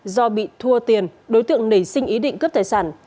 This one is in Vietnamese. do bị thua tiền đối tượng nảy sinh ý định cướp tài sản